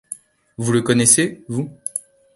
Vous le connaissez, vous ?